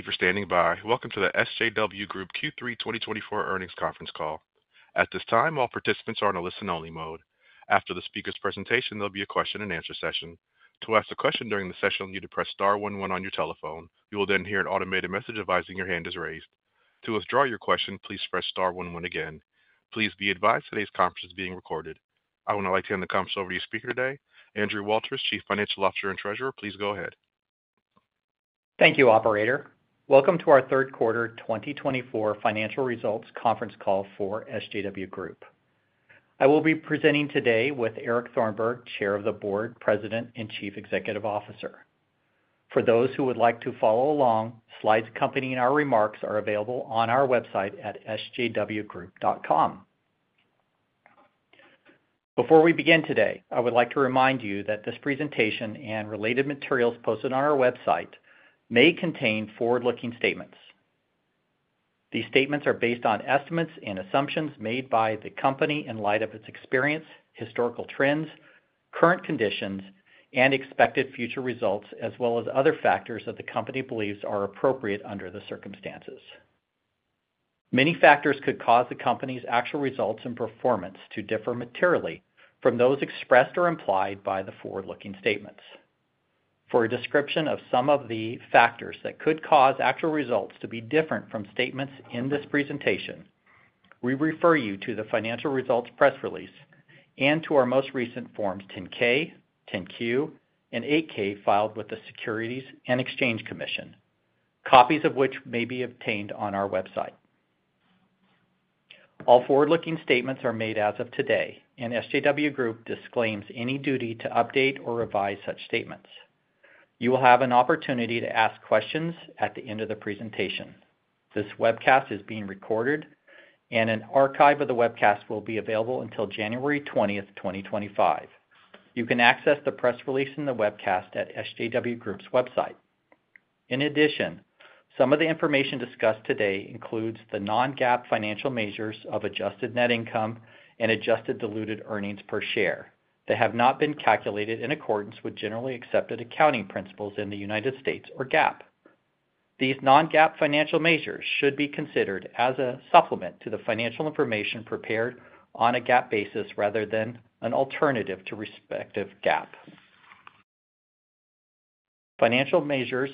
Thank you for standing by. Welcome to the SJW Group Q3 2024 earnings conference call. At this time, all participants are in a listen-only mode. After the speaker's presentation, there'll be a question-and-answer session. To ask a question during the session, you'll need to press star one one on your telephone. You will then hear an automated message advising your hand is raised. To withdraw your question, please press star one one again. Please be advised, today's conference is being recorded. I would now like to hand the conference over to your speaker today, Andrew Walters, Chief Financial Officer and Treasurer. Please go ahead. Thank you, operator. Welcome to our third quarter twenty twenty-four financial results conference call for SJW Group. I will be presenting today with Eric Thornburg, Chair of the Board, President, and Chief Executive Officer. For those who would like to follow along, slides accompanying our remarks are available on our website at sjwgroup.com. Before we begin today, I would like to remind you that this presentation and related materials posted on our website may contain forward-looking statements. These statements are based on estimates and assumptions made by the company in light of its experience, historical trends, current conditions, and expected future results, as well as other factors that the company believes are appropriate under the circumstances. Many factors could cause the company's actual results and performance to differ materially from those expressed or implied by the forward-looking statements. For a description of some of the factors that could cause actual results to be different from statements in this presentation, we refer you to the financial results press release and to our most recent Forms 10-K, 10-Q, and 8-K filed with the Securities and Exchange Commission, copies of which may be obtained on our website. All forward-looking statements are made as of today, and SJW Group disclaims any duty to update or revise such statements. You will have an opportunity to ask questions at the end of the presentation. This webcast is being recorded, and an archive of the webcast will be available until January twentieth, twenty twenty-five. You can access the press release in the webcast at SJW Group's website. In addition, some of the information discussed today includes the non-GAAP financial measures of adjusted net income and adjusted diluted earnings per share that have not been calculated in accordance with generally accepted accounting principles in the United States or GAAP. These non-GAAP financial measures should be considered as a supplement to the financial information prepared on a GAAP basis rather than an alternative to respective GAAP financial measures.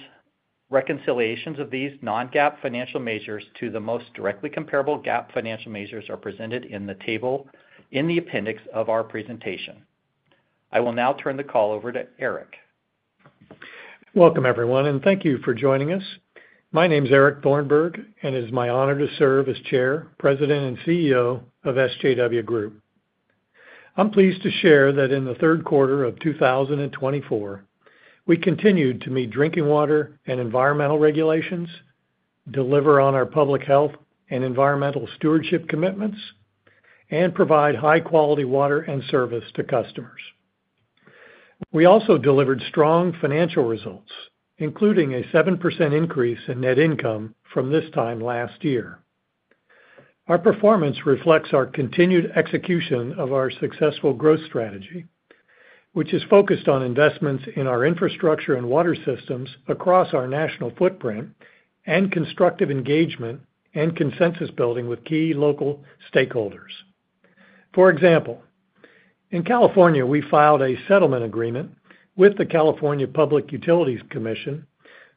Reconciliations of these non-GAAP financial measures to the most directly comparable GAAP financial measures are presented in the table in the appendix of our presentation. I will now turn the call over to Eric. Welcome, everyone, and thank you for joining us. My name is Eric Thornburg, and it is my honor to serve as Chair, President, and CEO of SJW Group. I'm pleased to share that in the third quarter of two thousand and twenty-four, we continued to meet drinking water and environmental regulations, deliver on our public health and environmental stewardship commitments, and provide high-quality water and service to customers. We also delivered strong financial results, including a 7% increase in net income from this time last year. Our performance reflects our continued execution of our successful growth strategy, which is focused on investments in our infrastructure and water systems across our national footprint and constructive engagement and consensus building with key local stakeholders. For example, in California, we filed a settlement agreement with the California Public Utilities Commission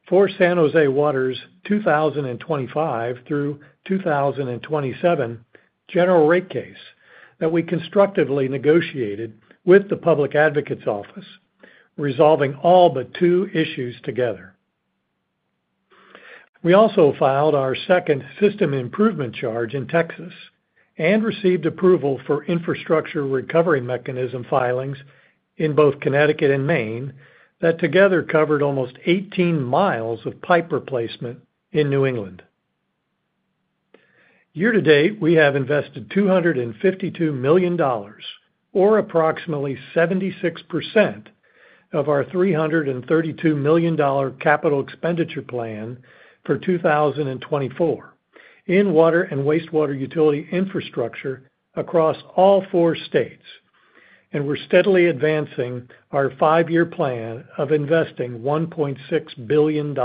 for San Jose Water's 2025 through 2027 general rate case that we constructively negotiated with the Public Advocates Office, resolving all but two issues together. We also filed our second system improvement charge in Texas and received approval for infrastructure recovery mechanism filings in both Connecticut and Maine that together covered almost 18 miles of pipe replacement in New England. Year to date, we have invested $252 million, or approximately 76% of our $332 million capital expenditure plan for 2024 in water and wastewater utility infrastructure across all four states, and we're steadily advancing our five-year plan of investing $1.6 billion.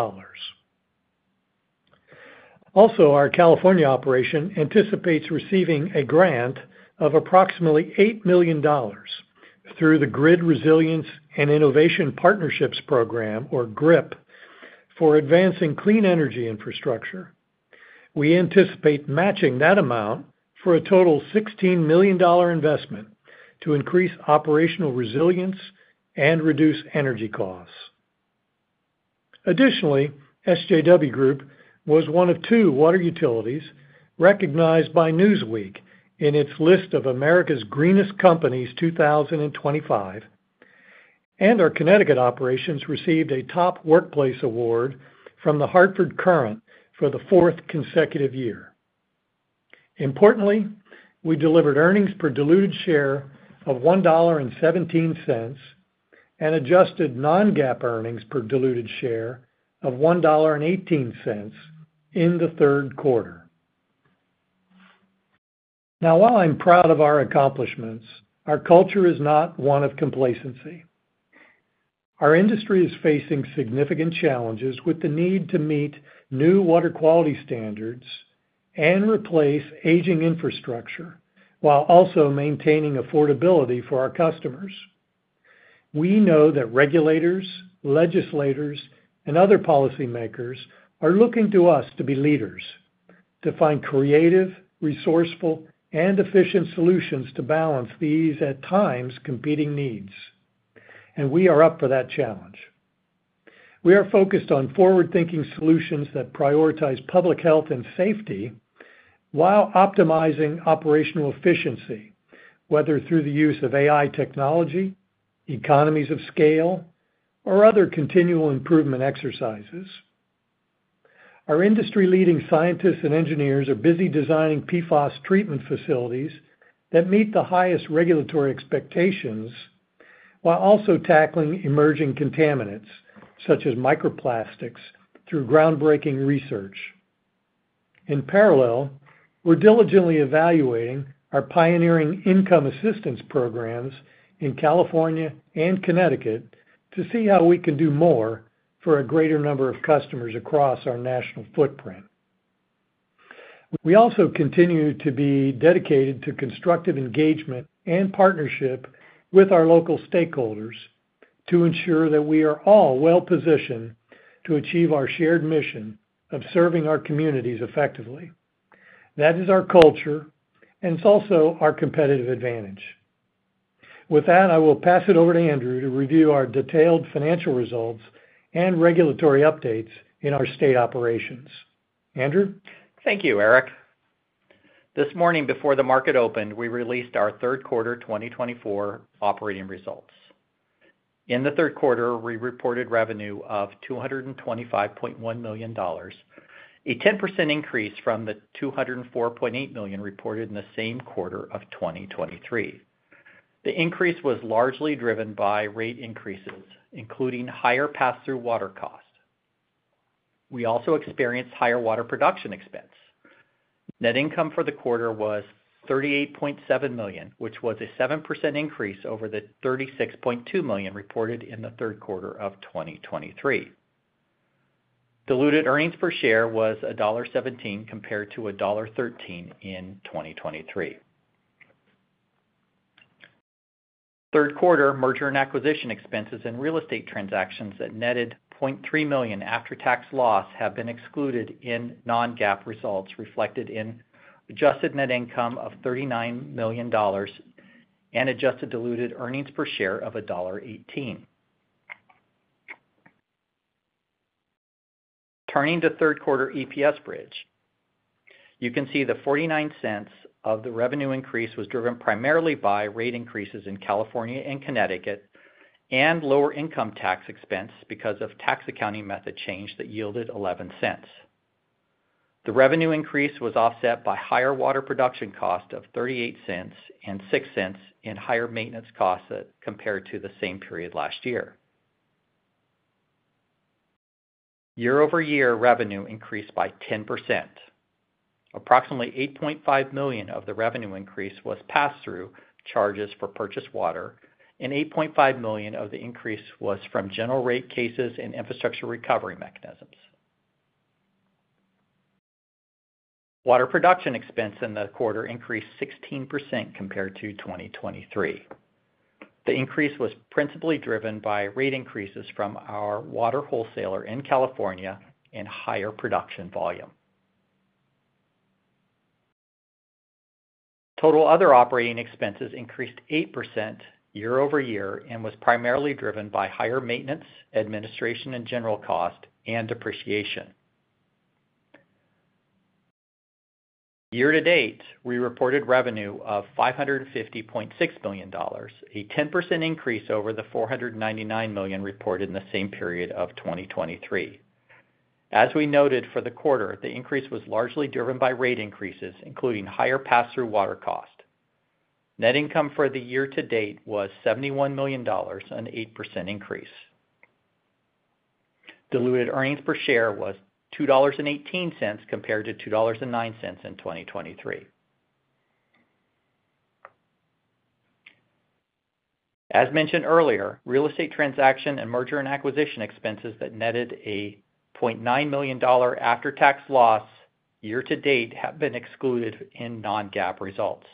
Also, our California operation anticipates receiving a grant of approximately $8 million through the Grid Resilience and Innovation Partnerships program, or GRIP, for advancing clean energy infrastructure. We anticipate matching that amount for a total $16 million investment to increase operational resilience and reduce energy costs. Additionally, SJW Group was one of two water utilities recognized by Newsweek in its list of America's Greenest Companies 2025, and our Connecticut operations received a Top Workplace award from the Hartford Courant for the fourth consecutive year. Importantly, we delivered earnings per diluted share of $1.17, and adjusted non-GAAP earnings per diluted share of $1.18 in the third quarter. Now, while I'm proud of our accomplishments, our culture is not one of complacency. Our industry is facing significant challenges with the need to meet new water quality standards and replace aging infrastructure, while also maintaining affordability for our customers. We know that regulators, legislators, and other policymakers are looking to us to be leaders, to find creative, resourceful, and efficient solutions to balance these at times competing needs, and we are up for that challenge. We are focused on forward-thinking solutions that prioritize public health and safety while optimizing operational efficiency, whether through the use of AI technology, economies of scale, or other continual improvement exercises. Our industry-leading scientists and engineers are busy designing PFAS treatment facilities that meet the highest regulatory expectations while also tackling emerging contaminants, such as microplastics, through groundbreaking research. In parallel, we're diligently evaluating our pioneering income assistance programs in California and Connecticut to see how we can do more for a greater number of customers across our national footprint. We also continue to be dedicated to constructive engagement and partnership with our local stakeholders to ensure that we are all well-positioned to achieve our shared mission of serving our communities effectively. That is our culture, and it's also our competitive advantage. With that, I will pass it over to Andrew to review our detailed financial results and regulatory updates in our state operations. Andrew? Thank you, Eric. This morning, before the market opened, we released our third quarter 2024 operating results. In the third quarter, we reported revenue of $225.1 million, a 10% increase from the $204.8 million reported in the same quarter of 2023. The increase was largely driven by rate increases, including higher pass-through water costs. We also experienced higher water production expense. Net income for the quarter was $38.7 million, which was a 7% increase over the $36.2 million reported in the third quarter of 2023. Diluted earnings per share was $1.17 compared to $1.13 in 2023. Third quarter merger and acquisition expenses and real estate transactions that netted a $0.3 million after-tax loss have been excluded in non-GAAP results, reflected in adjusted net income of $39 million and adjusted diluted earnings per share of $1.18. Turning to third quarter EPS bridge. You can see the $0.49 of the revenue increase was driven primarily by rate increases in California and Connecticut, and lower income tax expense because of tax accounting method change that yielded $0.11. The revenue increase was offset by higher water production cost of $0.38 and $0.06 in higher maintenance costs compared to the same period last year. Year-over-year revenue increased by 10%. Approximately $8.5 million of the revenue increase was pass-through charges for purchased water, and $8.5 million of the increase was from general rate cases and infrastructure recovery mechanisms. Water production expense in the quarter increased 16% compared to 2023. The increase was principally driven by rate increases from our water wholesaler in California and higher production volume. Total other operating expenses increased 8% year over year and was primarily driven by higher maintenance, administration, and general cost, and depreciation. Year to date, we reported revenue of $550.6 million, a 10% increase over the $499 million reported in the same period of 2023. As we noted for the quarter, the increase was largely driven by rate increases, including higher pass-through water cost. Net income for the year to date was $71 million, an 8% increase. Diluted earnings per share was $2.18, compared to $2.09 in 2023. As mentioned earlier, real estate transaction and merger and acquisition expenses that netted a $0.9 million after-tax loss year to date have been excluded in non-GAAP results.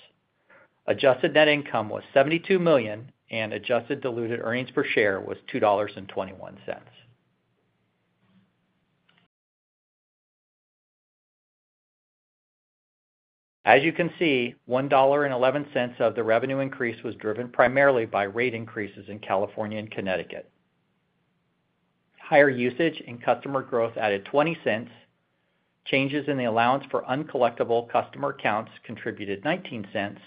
Adjusted net income was $72 million, and adjusted diluted earnings per share was $2.21. As you can see, $1.11 of the revenue increase was driven primarily by rate increases in California and Connecticut. Higher usage and customer growth added $0.20, changes in the allowance for uncollectible customer accounts contributed $0.19,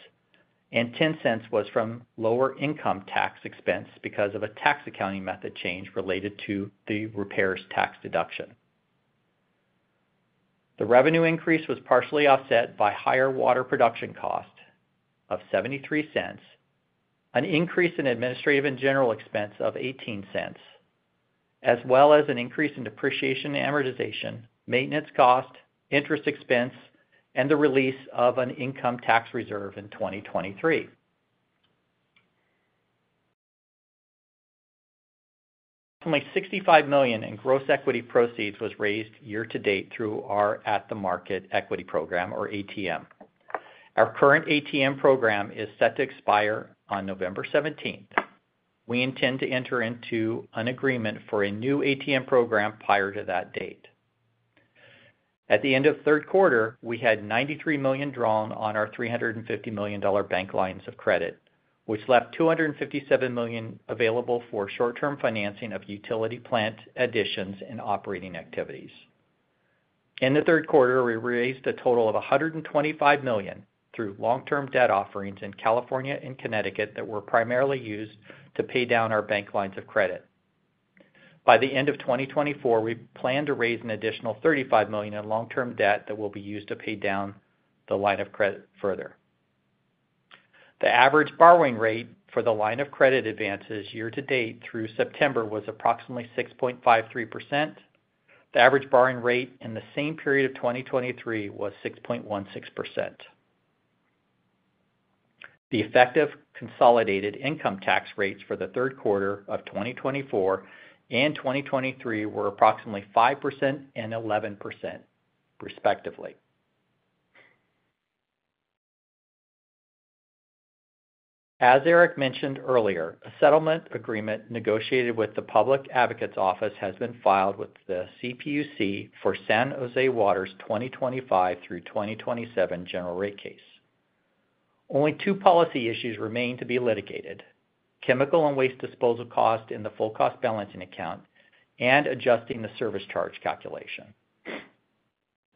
and $0.10 was from lower income tax expense because of a tax accounting method change related to the repairs tax deduction. The revenue increase was partially offset by higher water production cost of $0.73, an increase in administrative and general expense of $0.18. as well as an increase in depreciation and amortization, maintenance cost, interest expense, and the release of an income tax reserve in 2023. Approximately $65 million in gross equity proceeds was raised year-to-date through our at-the-market equity program, or ATM. Our current ATM program is set to expire on November seventeenth. We intend to enter into an agreement for a new ATM program prior to that date. At the end of the third quarter, we had $93 million drawn on our $350 million bank lines of credit, which left $257 million available for short-term financing of utility plant additions and operating activities. In the third quarter, we raised a total of $125 million through long-term debt offerings in California and Connecticut that were primarily used to pay down our bank lines of credit. By the end of 2024, we plan to raise an additional $35 million in long-term debt that will be used to pay down the line of credit further. The average borrowing rate for the line of credit advances year-to-date through September was approximately 6.53%. The average borrowing rate in the same period of 2023 was 6.16%. The effective consolidated income tax rates for the third quarter of 2024 and 2023 were approximately 5% and 11%, respectively. As Eric mentioned earlier, a settlement agreement negotiated with the Public Advocate's Office has been filed with the CPUC for San Jose Water's 2025 through 2027 general rate case. Only two policy issues remain to be litigated: chemical and waste disposal cost in the full cost balancing account and adjusting the service charge calculation.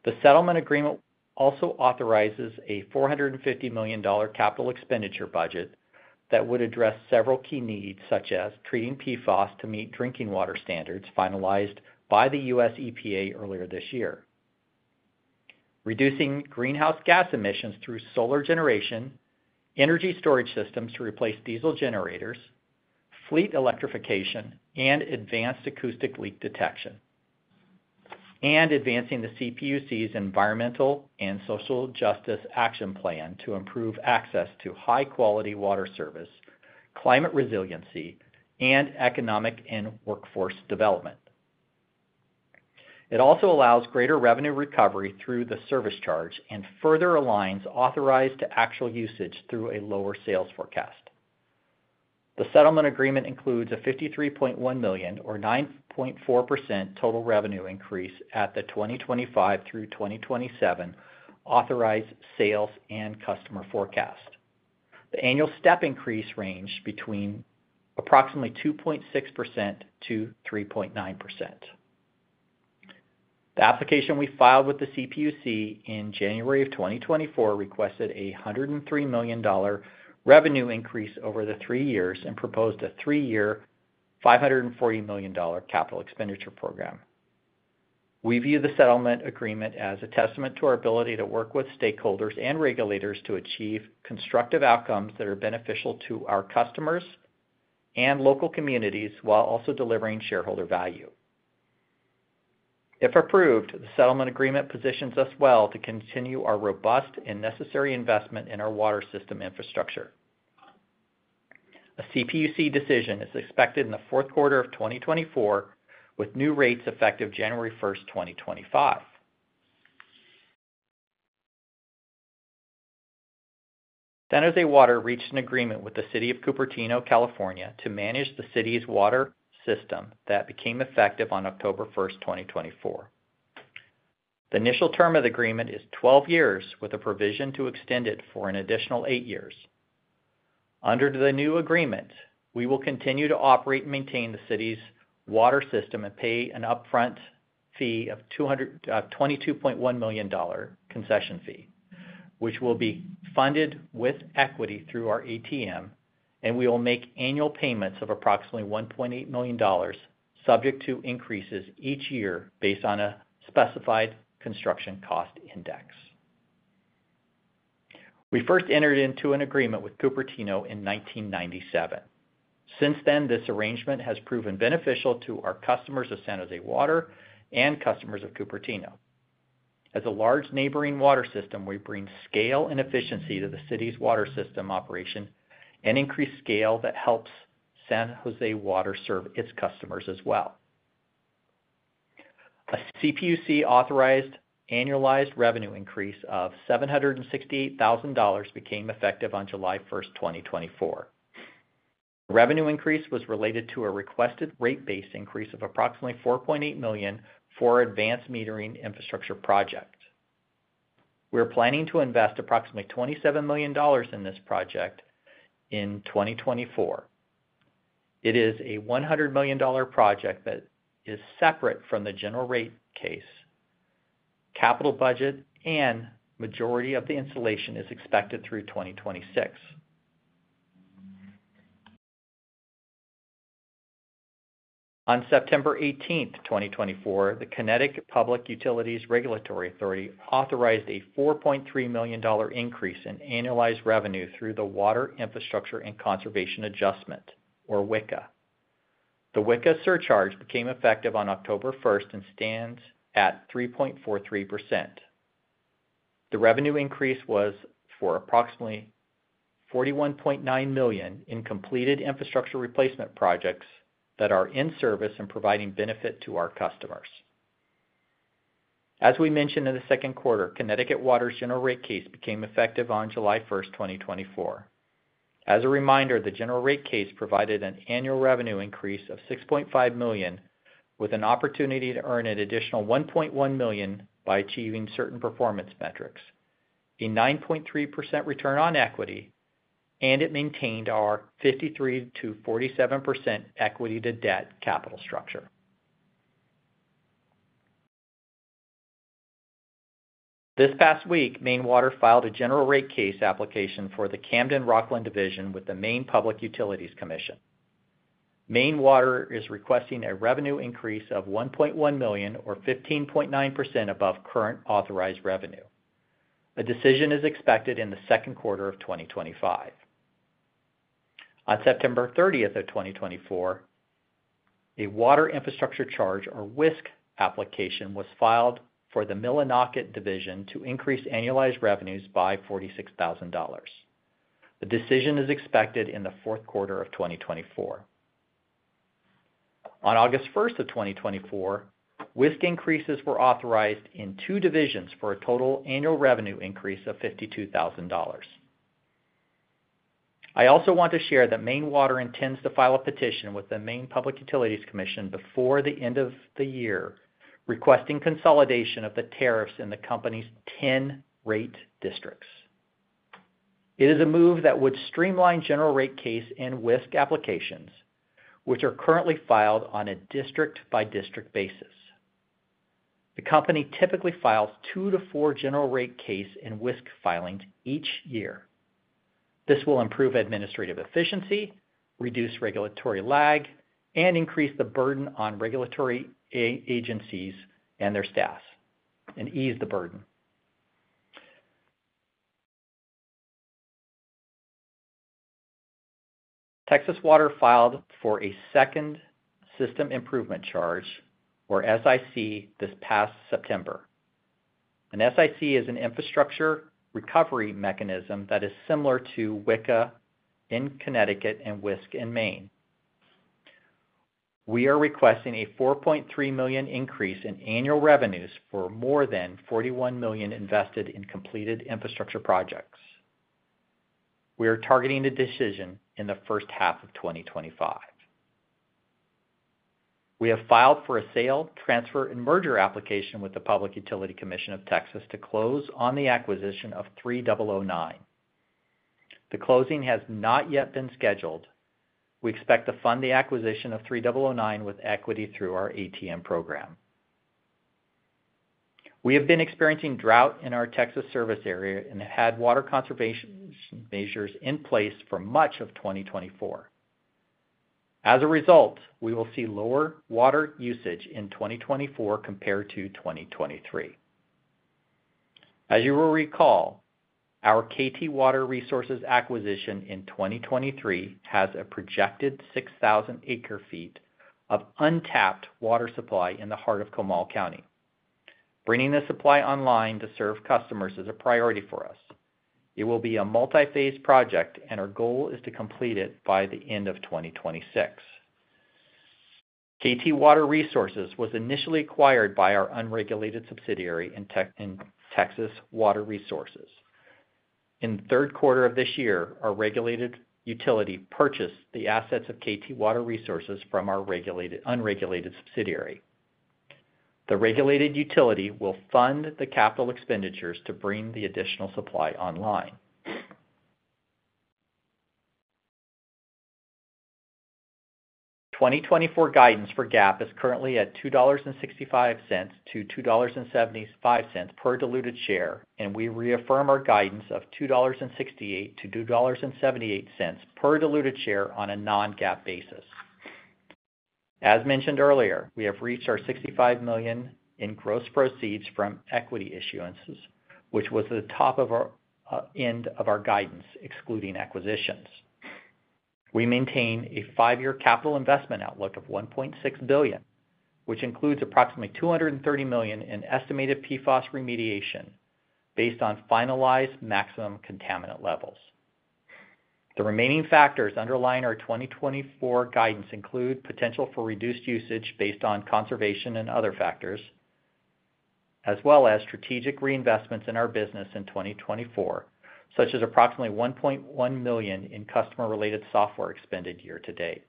The settlement agreement also authorizes a $450 million capital expenditure budget that would address several key needs, such as treating PFAS to meet drinking water standards finalized by the U.S. EPA earlier this year, reducing greenhouse gas emissions through solar generation, energy storage systems to replace diesel generators, fleet electrification, and advanced acoustic leak detection, and advancing the CPUC's Environmental and Social Justice Action Plan to improve access to high-quality water service, climate resiliency, and economic and workforce development. It also allows greater revenue recovery through the service charge and further aligns authorized to actual usage through a lower sales forecast. The settlement agreement includes a $53.1 million or 9.4% total revenue increase at the 2025 through 2027 authorized sales and customer forecast. The annual step increase range between approximately 2.6% to 3.9%. The application we filed with the CPUC in January 2024 requested a $103 million revenue increase over the three years and proposed a three-year $540 million capital expenditure program. We view the settlement agreement as a testament to our ability to work with stakeholders and regulators to achieve constructive outcomes that are beneficial to our customers and local communities, while also delivering shareholder value. If approved, the settlement agreement positions us well to continue our robust and necessary investment in our water system infrastructure. A CPUC decision is expected in the fourth quarter of 2024, with new rates effective January first, 2025. San Jose Water reached an agreement with the City of Cupertino, California, to manage the city's water system that became effective on October first, 2024. The initial term of the agreement is 12 years, with a provision to extend it for an additional eight years. Under the new agreement, we will continue to operate and maintain the city's water system and pay an upfront fee of $22.1 million dollar concession fee, which will be funded with equity through our ATM, and we will make annual payments of approximately $1.8 million, subject to increases each year based on a specified construction cost index. We first entered into an agreement with Cupertino in 1997. Since then, this arrangement has proven beneficial to our customers of San Jose Water and customers of Cupertino. As a large neighboring water system, we bring scale and efficiency to the city's water system operation and increase scale that helps San Jose Water serve its customers as well. A CPUC-authorized annualized revenue increase of $768,000 became effective on July 1, 2024. Revenue increase was related to a requested rate base increase of approximately $4.8 million for advanced metering infrastructure project. We're planning to invest approximately $27 million in this project in 2024. It is a $100 million project that is separate from the general rate case, capital budget, and majority of the installation is expected through 2026. On September 18, 2024, the Connecticut Public Utilities Regulatory Authority authorized a $4.3 million increase in annualized revenue through the Water Infrastructure and Conservation Adjustment, or WICA. The WICA surcharge became effective on October 1 and stands at 3.43%. The revenue increase was for approximately $41.9 million in completed infrastructure replacement projects that are in service and providing benefit to our customers. As we mentioned in the second quarter, Connecticut Water's general rate case became effective on July 1, 2024. As a reminder, the general rate case provided an annual revenue increase of $6.5 million, with an opportunity to earn an additional $1.1 million by achieving certain performance metrics, a 9.3% return on equity, and it maintained our 53%-47% equity to debt capital structure. This past week, Maine Water filed a general rate case application for the Camden-Rockland Division with the Maine Public Utilities Commission. Maine Water is requesting a revenue increase of $1.1 million or 15.9% above current authorized revenue. A decision is expected in the second quarter of twenty twenty-five. On September thirtieth of twenty twenty-four, a Water Infrastructure Charge, or WISC application, was filed for the Millinocket Division to increase annualized revenues by $46,000. The decision is expected in the fourth quarter of twenty twenty-four. On August first of twenty twenty-four, WISC increases were authorized in two divisions for a total annual revenue increase of $52,000. I also want to share that Maine Water intends to file a petition with the Maine Public Utilities Commission before the end of the year, requesting consolidation of the tariffs in the company's 10 rate districts. It is a move that would streamline general rate case and WISC applications, which are currently filed on a district-by-district basis. The company typically files two to four general rate case and WISC filings each year. This will improve administrative efficiency, reduce regulatory lag, and increase the burden on regulatory agencies and their staffs, and ease the burden. Texas Water filed for a second System Improvement Charge, or SIC, this past September. An SIC is an infrastructure recovery mechanism that is similar to WICA in Connecticut and WISC in Maine. We are requesting a $4.3 million increase in annual revenues for more than $41 million invested in completed infrastructure projects. We are targeting the decision in the first half of 2025. We have filed for a sale, transfer, and merger application with the Public Utility Commission of Texas to close on the acquisition of 3009. The closing has not yet been scheduled. We expect to fund the acquisition of 3009 with equity through our ATM program. We have been experiencing drought in our Texas service area and have had water conservation measures in place for much of 2024. As a result, we will see lower water usage in 2024 compared to 2023. As you will recall, our KT Water Resources acquisition in 2023 has a projected 6,000 acre feet of untapped water supply in the heart of Comal County. Bringing the supply online to serve customers is a priority for us. It will be a multi-phase project, and our goal is to complete it by the end of 2026. KT Water Resources was initially acquired by our unregulated subsidiary in Texas Water Resources. In the third quarter of this year, our regulated utility purchased the assets of KT Water Resources from our unregulated subsidiary. The regulated utility will fund the capital expenditures to bring the additional supply online. 2024 guidance for GAAP is currently at $2.65-$2.75 per diluted share, and we reaffirm our guidance of $2.68-$2.78 per diluted share on a non-GAAP basis. As mentioned earlier, we have reached our $65 million in gross proceeds from equity issuances, which was the top end of our guidance, excluding acquisitions. We maintain a five-year capital investment outlook of $1.6 billion, which includes approximately $230 million in estimated PFAS remediation based on finalized maximum contaminant levels. The remaining factors underlying our 2024 guidance include potential for reduced usage based on conservation and other factors, as well as strategic reinvestments in our business in 2024, such as approximately $1.1 million in customer-related software expended year to date.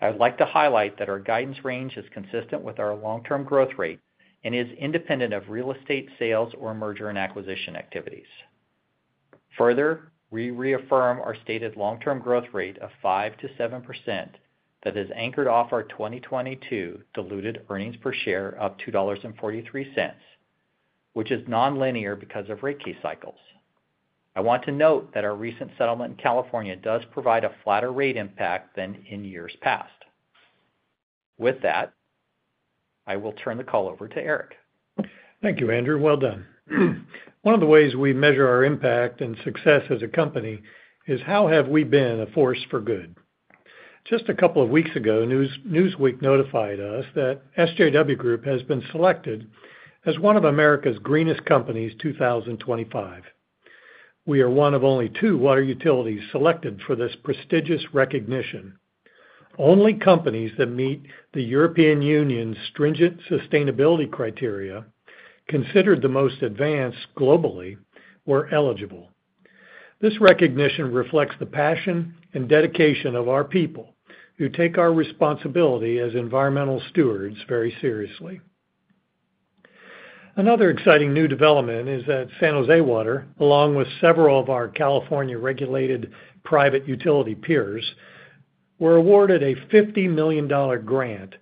I would like to highlight that our guidance range is consistent with our long-term growth rate and is independent of real estate sales or merger and acquisition activities. Further, we reaffirm our stated long-term growth rate of 5%-7% that is anchored off our 2022 diluted earnings per share of $2.43, which is nonlinear because of rate case cycles. I want to note that our recent settlement in California does provide a flatter rate impact than in years past. With that-... I will turn the call over to Eric. Thank you, Andrew. Well done. One of the ways we measure our impact and success as a company is how have we been a force for good? Just a couple of weeks ago, Newsweek notified us that SJW Group has been selected as one of America's Greenest Companies, 2025. We are one of only two water utilities selected for this prestigious recognition. Only companies that meet the European Union's stringent sustainability criteria, considered the most advanced globally, were eligible. This recognition reflects the passion and dedication of our people, who take our responsibility as environmental stewards very seriously. Another exciting new development is that San Jose Water, along with several of our California regulated private utility peers, were awarded a $50 million grant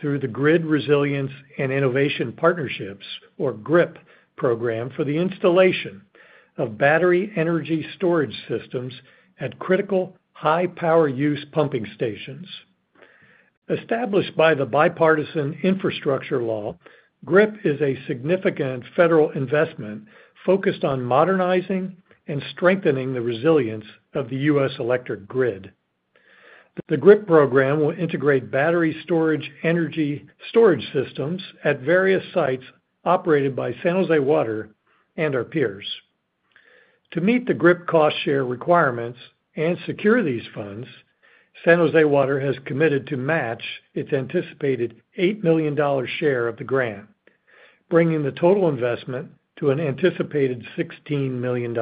through the Grid Resilience and Innovation Partnerships, or GRIP program, for the installation of battery energy storage systems at critical high power use pumping stations. Established by the Bipartisan Infrastructure Law, GRIP is a significant federal investment focused on modernizing and strengthening the resilience of the U.S. electric grid. The GRIP program will integrate battery storage, energy storage systems at various sites operated by San Jose Water and our peers. To meet the GRIP cost share requirements and secure these funds, San Jose Water has committed to match its anticipated $8 million share of the grant, bringing the total investment to an anticipated $16 million.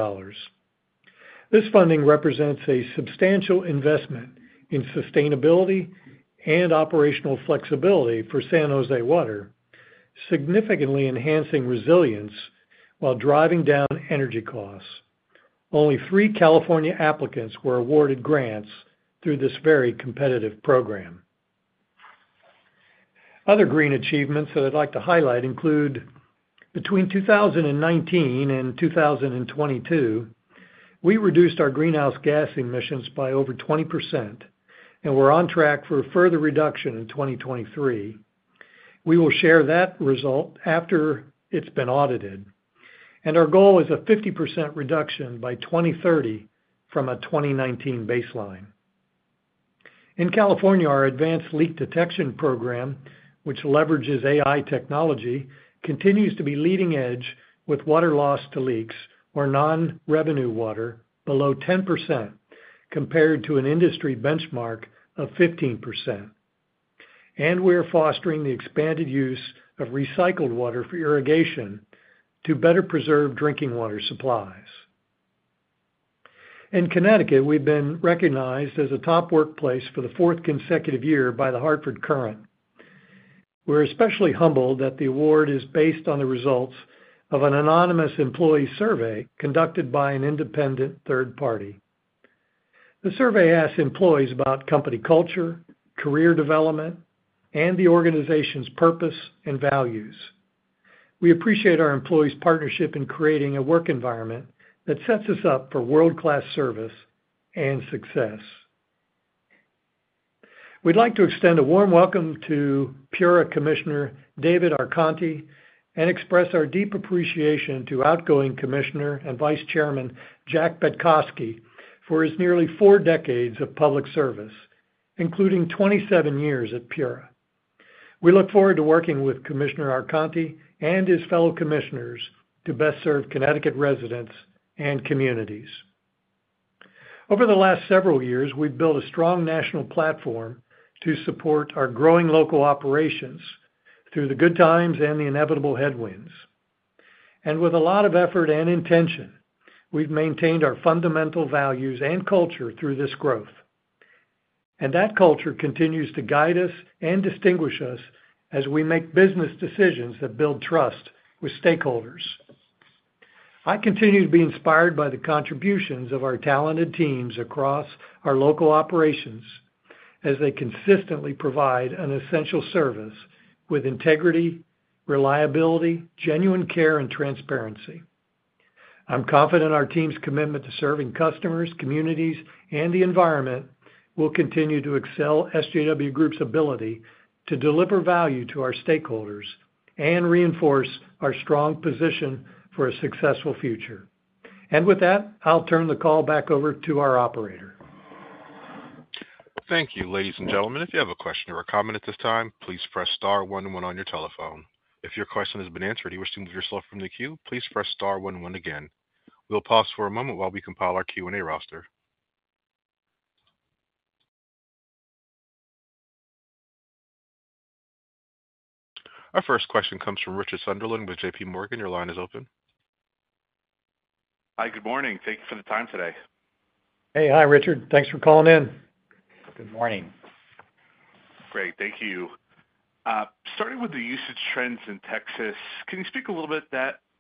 This funding represents a substantial investment in sustainability and operational flexibility for San Jose Water, significantly enhancing resilience while driving down energy costs. Only three California applicants were awarded grants through this very competitive program. Other green achievements that I'd like to highlight include, between 2019 and 2022, we reduced our greenhouse gas emissions by over 20%, and we're on track for a further reduction in 2023. We will share that result after it's been audited, and our goal is a 50% reduction by 2030 from a 2019 baseline. In California, our advanced leak detection program, which leverages AI technology, continues to be leading edge with water loss to leaks or non-revenue water below 10%, compared to an industry benchmark of 15%. We are fostering the expanded use of recycled water for irrigation to better preserve drinking water supplies. In Connecticut, we've been recognized as a top workplace for the fourth consecutive year by the Hartford Courant. We're especially humbled that the award is based on the results of an anonymous employee survey conducted by an independent third party. The survey asks employees about company culture, career development, and the organization's purpose and values. We appreciate our employees' partnership in creating a work environment that sets us up for world-class service and success. We'd like to extend a warm welcome to PURA Commissioner David Arconti, and express our deep appreciation to Outgoing Commissioner and Vice Chairman Jack Betkoski, for his nearly four decades of public service, including 27 years at PURA. We look forward to working with Commissioner Arconti and his fellow commissioners to best serve Connecticut residents and communities. Over the last several years, we've built a strong national platform to support our growing local operations through the good times and the inevitable headwinds. And with a lot of effort and intention, we've maintained our fundamental values and culture through this growth. And that culture continues to guide us and distinguish us as we make business decisions that build trust with stakeholders. I continue to be inspired by the contributions of our talented teams across our local operations as they consistently provide an essential service with integrity, reliability, genuine care, and transparency. I'm confident our team's commitment to serving customers, communities, and the environment will continue to excel SJW Group's ability to deliver value to our stakeholders and reinforce our strong position for a successful future. And with that, I'll turn the call back over to our operator. Thank you. Ladies and gentlemen, if you have a question or a comment at this time, please press star one one on your telephone. If your question has been answered, and you wish to remove yourself from the queue, please press star one one again. We'll pause for a moment while we compile our Q&A roster. Our first question comes from Richard Sunderland with J.P. Morgan. Your line is open. Hi, good morning. Thank you for the time today. Hey. Hi, Richard. Thanks for calling in. Good morning. Great. Thank you. Starting with the usage trends in Texas, can you speak a little bit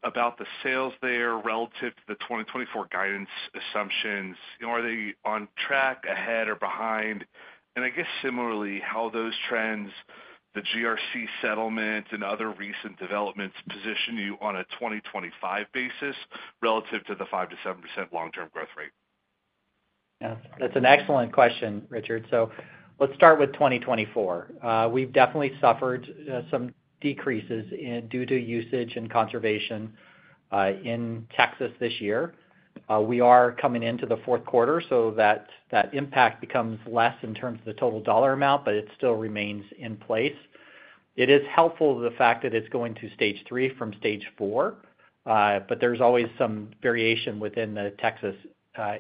about the sales there relative to the 2024 guidance assumptions? You know, are they on track, ahead, or behind? And I guess similarly, how those trends, the GRC settlement and other recent developments position you on a 2025 basis relative to the 5%-7% long-term growth rate?... Yeah, that's an excellent question, Richard. So let's start with twenty twenty-four. We've definitely suffered some decreases in due to usage and conservation in Texas this year. We are coming into the fourth quarter, so that impact becomes less in terms of the total dollar amount, but it still remains in place. It is helpful, the fact that it's going to stage three from stage four, but there's always some variation within the Texas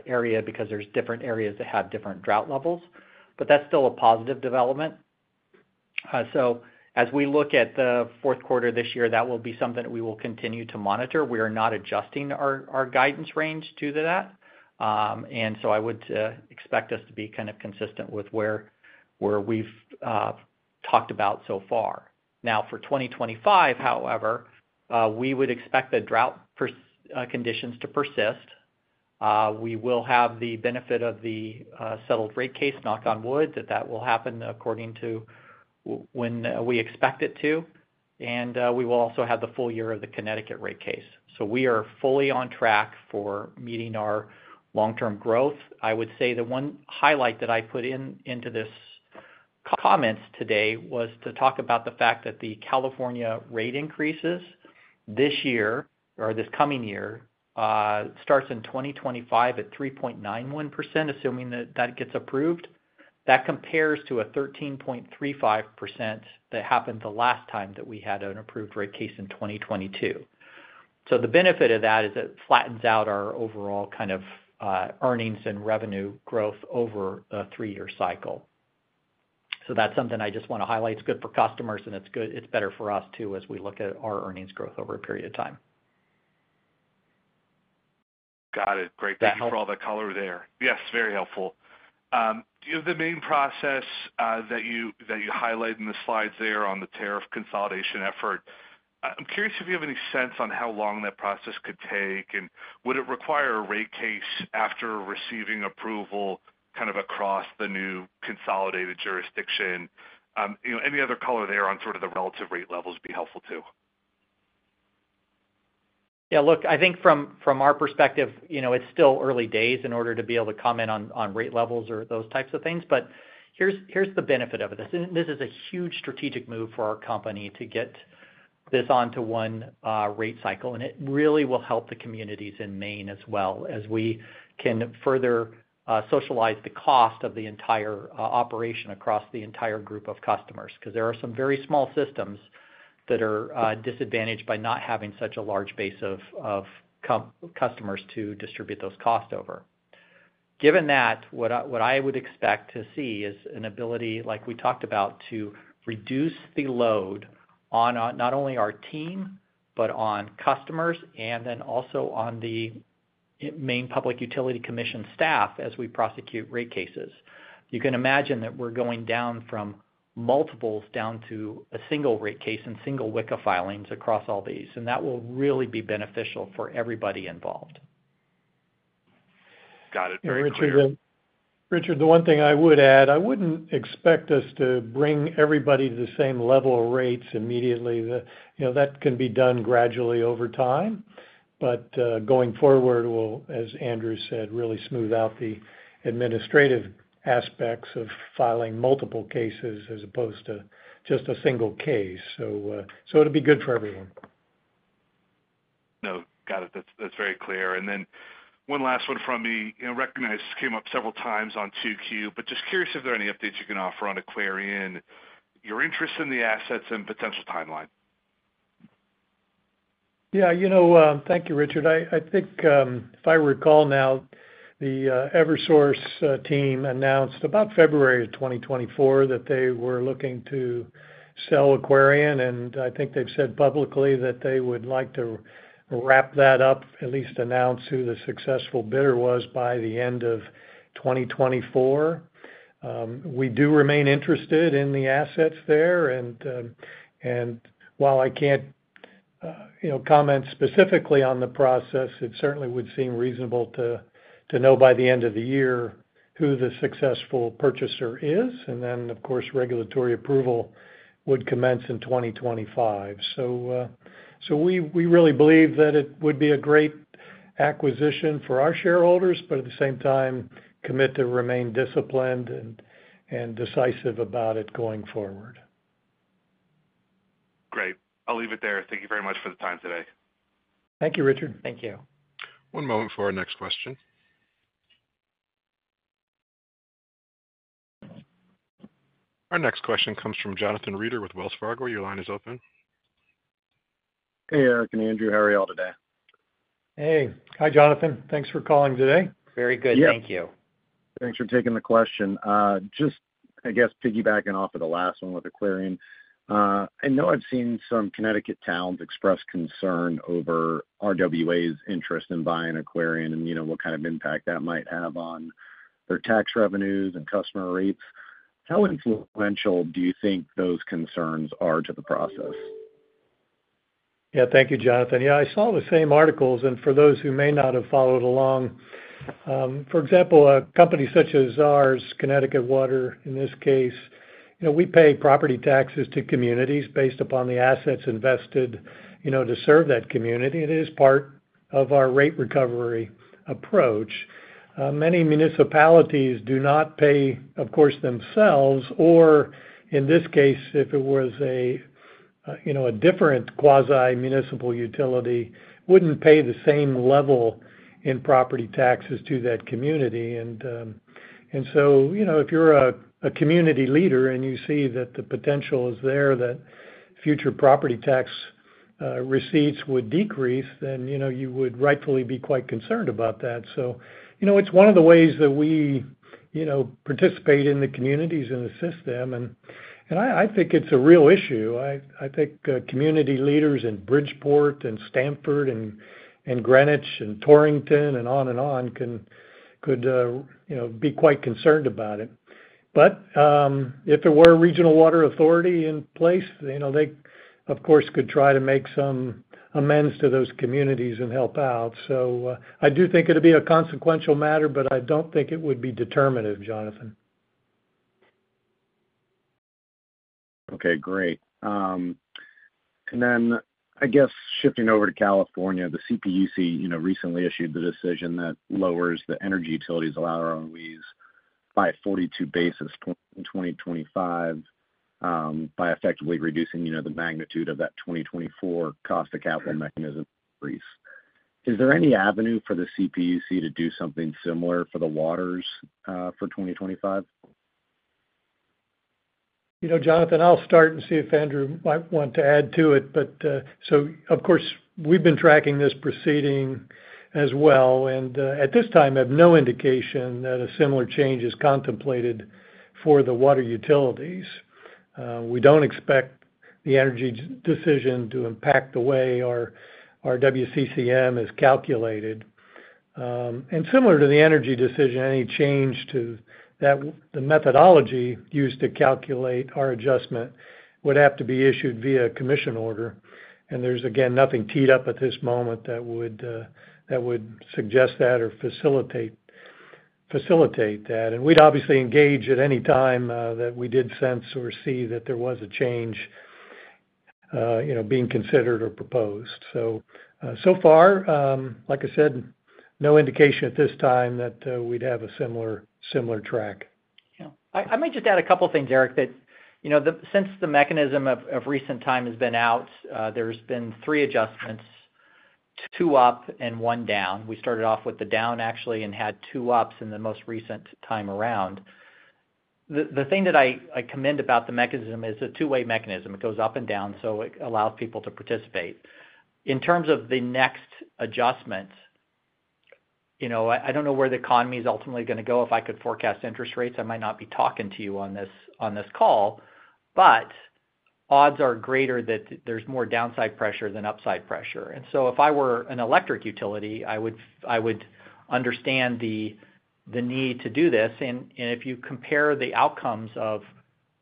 area because there's different areas that have different drought levels. But that's still a positive development. So as we look at the fourth quarter this year, that will be something that we will continue to monitor. We are not adjusting our guidance range due to that. And so I would expect us to be kind of consistent with where we've talked about so far. Now, for twenty twenty-five, however, we would expect the drought conditions to persist. We will have the benefit of the settled rate case, knock on wood, that that will happen according to when we expect it to, and we will also have the full year of the Connecticut rate case. So we are fully on track for meeting our long-term growth. I would say the one highlight that I put in into these comments today was to talk about the fact that the California rate increases this year or this coming year starts in twenty twenty-five at 3.91%, assuming that that gets approved. That compares to a 13.35% that happened the last time that we had an approved rate case in 2022. So the benefit of that is it flattens out our overall kind of earnings and revenue growth over a three-year cycle. So that's something I just want to highlight. It's good for customers, and it's good, it's better for us, too, as we look at our earnings growth over a period of time. Got it. Great- Does that help? Thank you for all the color there. Yes, very helpful. Do you have the main process that you highlight in the slides there on the tariff consolidation effort? I'm curious if you have any sense on how long that process could take, and would it require a rate case after receiving approval, kind of across the new consolidated jurisdiction? You know, any other color there on sort of the relative rate levels would be helpful, too. Yeah, look, I think from our perspective, you know, it's still early days in order to be able to comment on rate levels or those types of things. But here's the benefit of it, and this is a huge strategic move for our company to get this onto one rate cycle, and it really will help the communities in Maine as well, as we can further socialize the cost of the entire operation across the entire group of customers. Because there are some very small systems that are disadvantaged by not having such a large base of customers to distribute those costs over. Given that, what I would expect to see is an ability, like we talked about, to reduce the load on not only our team, but on customers and then also on the Maine Public Utilities Commission staff as we prosecute rate cases. You can imagine that we're going down from multiples down to a single rate case and single WICA filings across all these, and that will really be beneficial for everybody involved. Got it. Very clear. Richard, Richard, the one thing I would add, I wouldn't expect us to bring everybody to the same level of rates immediately. The, you know, that can be done gradually over time, but going forward, we'll, as Andrew said, really smooth out the administrative aspects of filing multiple cases as opposed to just a single case. So, it'll be good for everyone. No, got it. That's, that's very clear. And then one last one from me. You know, I recognize this came up several times on 2Q, but just curious if there are any updates you can offer on Aquarion, your interest in the assets, and potential timeline? Yeah, you know, thank you, Richard. I think, if I recall now, Eversource team announced about February of 2024 that they were looking to sell Aquarion, and I think they've said publicly that they would like to wrap that up, at least announce who the successful bidder was, by the end of 2024. We do remain interested in the assets there, and while I can't, you know, comment specifically on the process, it certainly would seem reasonable to know by the end of the year who the successful purchaser is. And then, of course, regulatory approval would commence in 2025. So we really believe that it would be a great acquisition for our shareholders, but at the same time commit to remain disciplined and decisive about it going forward. Great. I'll leave it there. Thank you very much for the time today. Thank you, Richard. Thank you. One moment for our next question. Our next question comes from Jonathan Reeder with Wells Fargo. Your line is open. Hey, Eric and Andrew. How are you all today? Hey. Hi, Jonathan. Thanks for calling today. Very good. Yeah. Thank you. Thanks for taking the question. Just, I guess, piggybacking off of the last one with Aquarion, I know I've seen some Connecticut towns express concern over RWA's interest in buying Aquarion and, you know, what kind of impact that might have on their tax revenues and customer rates. How influential do you think those concerns are to the process? Yeah. Thank you, Jonathan. Yeah, I saw the same articles, and for those who may not have followed along, for example, a company such as ours, Connecticut Water, in this case, you know, we pay property taxes to communities based upon the assets invested, you know, to serve that community. It is part of our rate recovery approach. Many municipalities do not pay, of course, themselves, or in this case, if it was a, you know, a different quasi-municipal utility, wouldn't pay the same level in property taxes to that community. And so, you know, if you're a community leader and you see that the potential is there, that future property tax receipts would decrease, then, you know, you would rightfully be quite concerned about that. So, you know, it's one of the ways that we, you know, participate in the communities and assist them, and I think it's a real issue. I think community leaders in Bridgeport, and Stamford, and Greenwich, and Torrington, and on and on, could you know, be quite concerned about it. But, if there were a regional water authority in place, you know, they, of course, could try to make some amends to those communities and help out. So, I do think it'd be a consequential matter, but I don't think it would be determinative, Jonathan. Okay, great. And then, I guess, shifting over to California, the CPUC, you know, recently issued the decision that lowers the energy utilities allowed ROEs by 42 basis points in 2025, by effectively reducing, you know, the magnitude of that 2024 cost of capital mechanism increase. Is there any avenue for the CPUC to do something similar for the waters, for 2025? You know, Jonathan, I'll start and see if Andrew might want to add to it. But, so of course, we've been tracking this proceeding as well, and, at this time, have no indication that a similar change is contemplated for the water utilities. We don't expect the energy decision to impact the way our WCCM is calculated. And similar to the energy decision, any change to that the methodology used to calculate our adjustment would have to be issued via a commission order, and there's, again, nothing teed up at this moment that would suggest that or facilitate that. And we'd obviously engage at any time that we did sense or see that there was a change, you know, being considered or proposed. So far, like I said, no indication at this time that we'd have a similar track. Yeah. I might just add a couple things, Eric, that, you know, since the mechanism of recent time has been out, there's been three adjustments, two up and one down. We started off with the down, actually, and had two ups in the most recent time around. The thing that I commend about the mechanism is it's a two-way mechanism. It goes up and down, so it allows people to participate. In terms of the next adjustment, you know, I don't know where the economy is ultimately gonna go. If I could forecast interest rates, I might not be talking to you on this call, but odds are greater that there's more downside pressure than upside pressure. And so if I were an electric utility, I would understand the need to do this. If you compare the outcomes of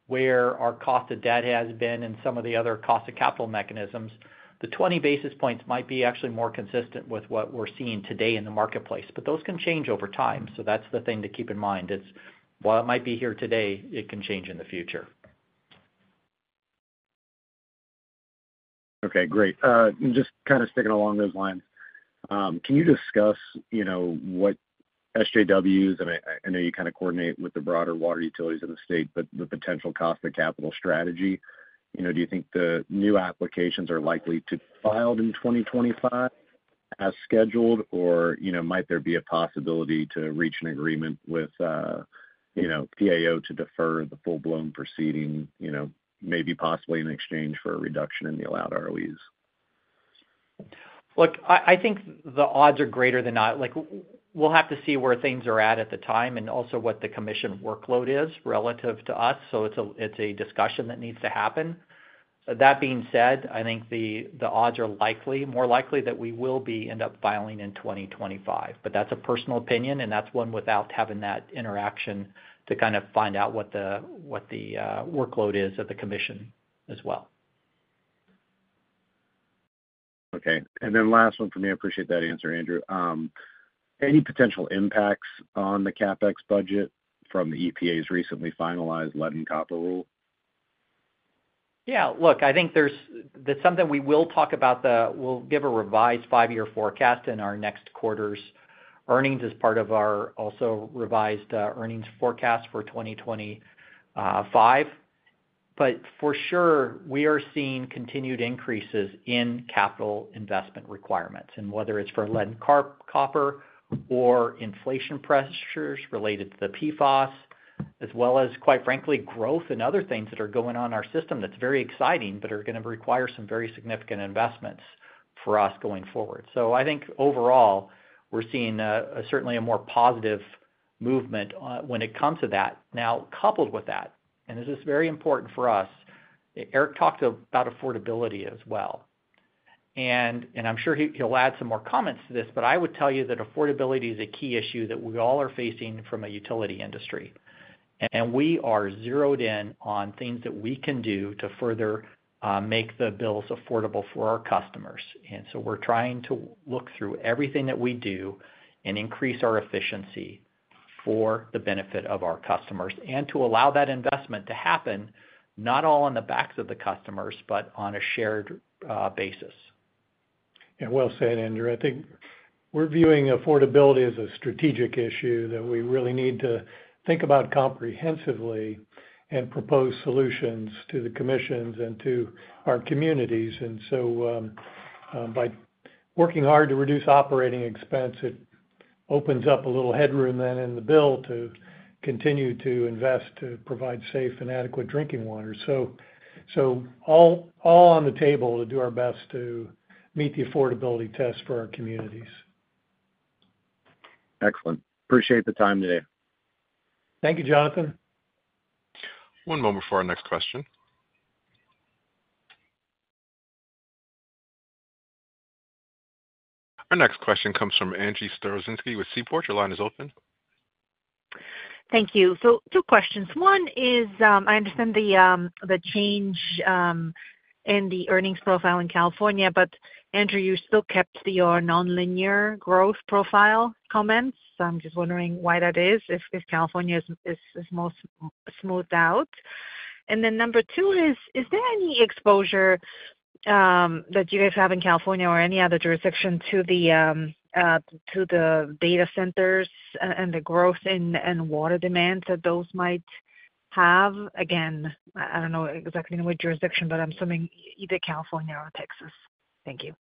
where our cost of debt has been and some of the other cost of capital mechanisms, the twenty basis points might be actually more consistent with what we're seeing today in the marketplace. But those can change over time, so that's the thing to keep in mind, it's while it might be here today, it can change in the future. Okay, great. Just kind of sticking along those lines, can you discuss, you know, what SJW's, and I know you kind of coordinate with the broader water utilities of the state, but the potential cost of capital strategy? You know, do you think the new applications are likely to be filed in 2025 as scheduled, or, you know, might there be a possibility to reach an agreement with, you know, PAO to defer the full-blown proceeding, you know, maybe possibly in exchange for a reduction in the allowed ROEs? Look, I think the odds are greater than not. Like, we'll have to see where things are at the time and also what the commission workload is relative to us, so it's a discussion that needs to happen. That being said, I think the odds are likely, more likely that we will end up filing in 2025, but that's a personal opinion, and that's one without having that interaction to kind of find out what the workload is of the commission as well. Okay. And then last one for me. I appreciate that answer, Andrew. Any potential impacts on the CapEx budget from the EPA's recently finalized Lead and Copper Rule? Yeah, look, I think that's something we will talk about. We'll give a revised five-year forecast in our next quarter's earnings as part of our also revised earnings forecast for 2025. But for sure, we are seeing continued increases in capital investment requirements, and whether it's for lead and copper or inflation pressures related to the PFAS, as well as, quite frankly, growth and other things that are going on in our system that's very exciting, but are gonna require some very significant investments for us going forward. So I think overall, we're seeing certainly a more positive movement when it comes to that. Now, coupled with that, and this is very important for us, Eric talked about affordability as well. And I'm sure he'll add some more comments to this, but I would tell you that affordability is a key issue that we all are facing from a utility industry. And we are zeroed in on things that we can do to further make the bills affordable for our customers. And so we're trying to look through everything that we do and increase our efficiency for the benefit of our customers, and to allow that investment to happen, not all on the backs of the customers, but on a shared basis. Yeah, well said, Andrew. I think we're viewing affordability as a strategic issue that we really need to think about comprehensively and propose solutions to the commissions and to our communities. And so, by working hard to reduce operating expense, it opens up a little headroom then in the bill to continue to invest, to provide safe and adequate drinking water. So all on the table to do our best to meet the affordability test for our communities. Excellent. Appreciate the time today. Thank you, Jonathan. One moment for our next question. Our next question comes from Angie Storozynski with Seaport. Your line is open. Thank you. So two questions. One is, I understand the change in the earnings profile in California, but Andrew, you still kept your nonlinear growth profile comments. So I'm just wondering why that is, if California is more smoothed out. And then number two is, is there any exposure that you guys have in California or any other jurisdiction to the data centers and the growth in water demands that those might have? Again, I don't know exactly in which jurisdiction, but I'm assuming either California or Texas. Thank you.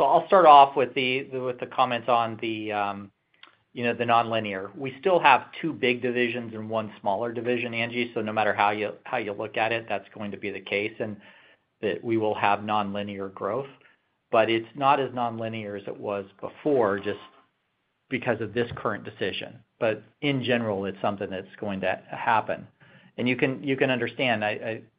I'll start off with the comments on the, you know, the nonlinear. We still have two big divisions and one smaller division, Angie, so no matter how you look at it, that's going to be the case, and that we will have nonlinear growth. But it's not as nonlinear as it was before, just because of this current decision. But in general, it's something that's going to happen. And you can understand,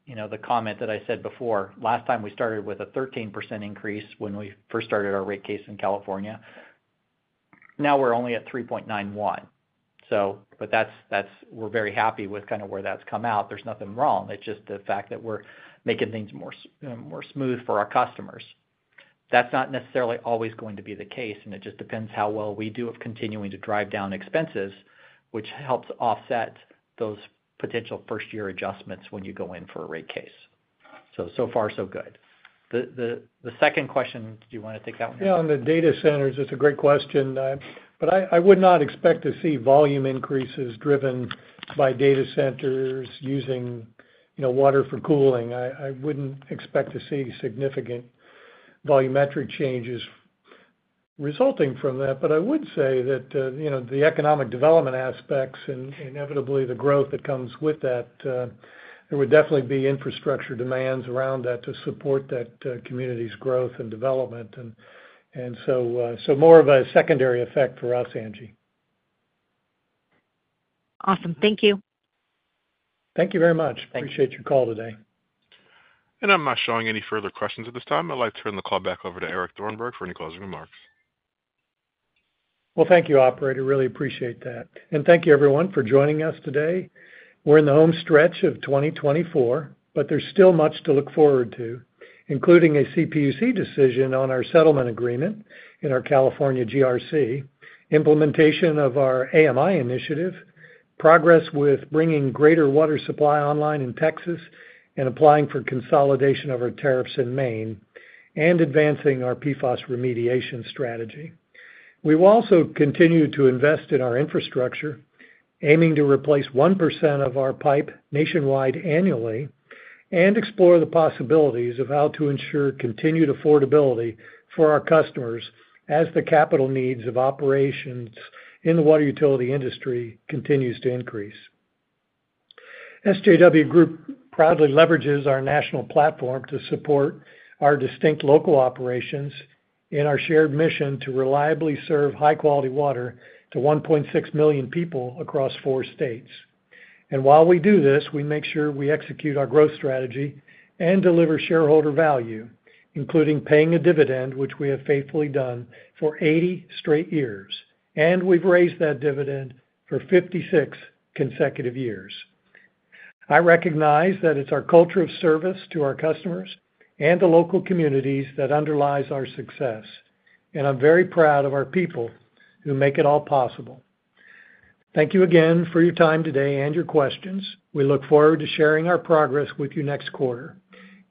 you know, the comment that I said before, last time we started with a 13% increase when we first started our rate case in California. Now we're only at 3.91%, so but that's, we're very happy with kind of where that's come out. There's nothing wrong. It's just the fact that we're making things more smooth for our customers. That's not necessarily always going to be the case, and it just depends how well we do of continuing to drive down expenses, which helps offset those potential first-year adjustments when you go in for a rate case. So, so far, so good. The second question, do you wanna take that one? Yeah, on the data centers, it's a great question, but I would not expect to see volume increases driven by data centers using, you know, water for cooling. I wouldn't expect to see significant volumetric changes resulting from that. But I would say that, you know, the economic development aspects and inevitably the growth that comes with that, there would definitely be infrastructure demands around that to support that community's growth and development. And so, more of a secondary effect for us, Angie. Awesome. Thank you. Thank you very much. Thank you. Appreciate your call today. I'm not showing any further questions at this time. I'd like to turn the call back over to Eric Thornburg for any closing remarks. Well, thank you, operator. Really appreciate that. And thank you, everyone, for joining us today. We're in the home stretch of twenty twenty-four, but there's still much to look forward to, including a CPUC decision on our settlement agreement in our California GRC, implementation of our AMI initiative, progress with bringing greater water supply online in Texas, and applying for consolidation of our tariffs in Maine, and advancing our PFAS remediation strategy. We've also continued to invest in our infrastructure, aiming to replace 1% of our pipe nationwide annually, and explore the possibilities of how to ensure continued affordability for our customers as the capital needs of operations in the water utility industry continues to increase. SJW Group proudly leverages our national platform to support our distinct local operations and our shared mission to reliably serve high-quality water to 1.6 million people across four states. While we do this, we make sure we execute our growth strategy and deliver shareholder value, including paying a dividend, which we have faithfully done for eighty straight years, and we've raised that dividend for fifty-six consecutive years. I recognize that it's our culture of service to our customers and the local communities that underlies our success, and I'm very proud of our people who make it all possible. Thank you again for your time today and your questions. We look forward to sharing our progress with you next quarter.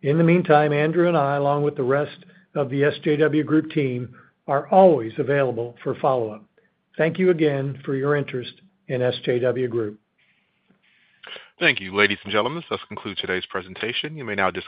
In the meantime, Andrew and I, along with the rest of the SJW Group team, are always available for follow-up. Thank you again for your interest in SJW Group. Thank you, ladies and gentlemen. This concludes today's presentation. You may now disconnect.